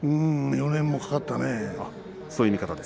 ４年もかかったね。